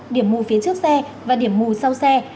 điểm mù phía trước xe và điểm mù sau xe